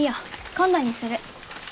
今度にする。